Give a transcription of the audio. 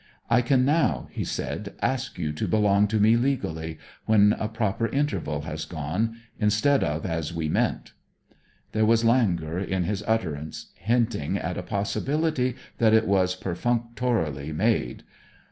'I can now,' he said, 'ask you to belong to me legally when a proper interval has gone instead of as we meant.' There was languor in his utterance, hinting at a possibility that it was perfunctorily made.